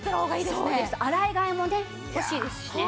洗い替えもね欲しいですしね。